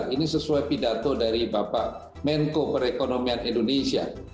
ini sesuai pidato dari bapak menko perekonomian indonesia